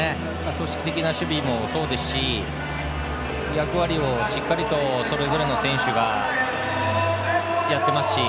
組織的な守備もそうですし役割をしっかりとそれぞれの選手がやってますし。